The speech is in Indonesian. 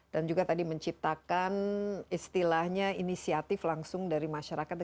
dan juga tadi menciptakan istilahnya inisiatif langsung dari masyarakat